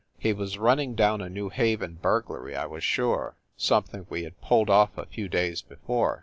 He was running down a New Haven burglary, I was sure something we had pulled off a few days before.